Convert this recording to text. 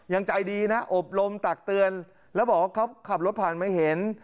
ยังใจดีนะอบรมตักเตือนแล้วบอกว่าเขาขับรถผ่านมาเห็น